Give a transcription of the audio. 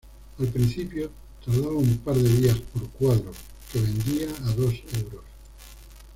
Al principio tardaba un par de días por cuadro, que vendía a dos euros.